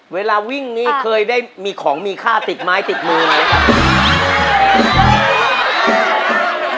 เวลาวิ่งนี้เคยได้มีของมีค่าติดไม้ติดมือไหมครับ